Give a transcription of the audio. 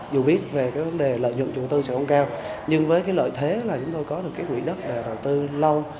dù biết về cái vấn đề lợi dụng chủ tư sẽ không cao nhưng với cái lợi thế là chúng tôi có được cái quỹ đất để đầu tư lâu